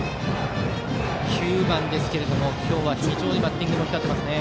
９番ですが、今日は非常にバッティングも光っていますね。